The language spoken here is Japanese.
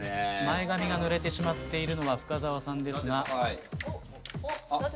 前髪がぬれてしまっているのは深澤さんですが。